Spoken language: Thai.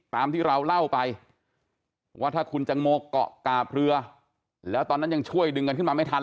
ตามที่เราเล่าไปว่าถ้าคุณจังโมเกาะกาบเรือแล้วตอนนั้นยังช่วยดึงกันขึ้นมาไม่ทัน